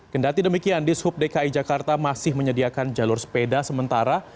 kendati demikian di sub dki jakarta masih menyediakan jalur sepeda sementara